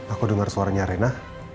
aku dengar suaranya rena